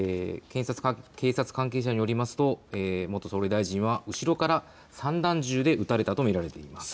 警察関係者によりますと元総理大臣は後ろから散弾銃で撃たれたと見られています。